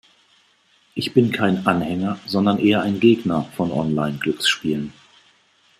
Ich bin kein Anhänger, sondern eher ein Gegner von Online-Glücksspielen.